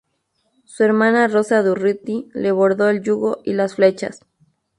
Su hermana Rosa Durruti le bordó el yugo y las flechas.